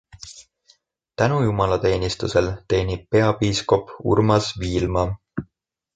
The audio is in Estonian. Tänujumalateenistusel teenib peapiiskop Urmas Viilma.